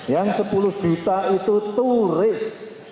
yang sepuluh juta itu turis